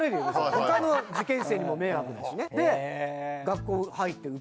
他の受験生にも迷惑だしね。